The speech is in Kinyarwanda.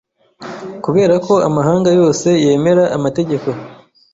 kubera ko amahanga yose yemera amategeko